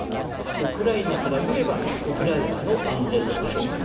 ウクライナから見ればウクライナの安全の保障